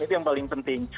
itu yang paling penting